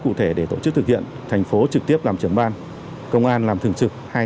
cụ thể để tổ chức thực hiện thành phố trực tiếp làm trưởng ban công an làm thường trực